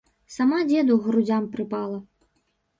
Сама дзеду к грудзям прыпала.